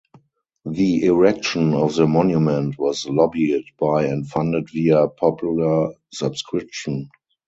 The erection of the monument was lobbied by and funded via popular subscription.